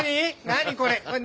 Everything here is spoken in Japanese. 何これ。